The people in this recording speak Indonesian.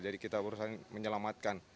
jadi kita berusaha menyelamatkan